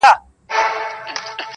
ما ددې غرونو په لمنو کي شپېلۍ ږغول-